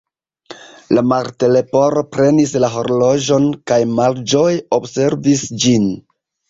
La Martleporo prenis la horloĝon, kaj malĝoje observis ĝin.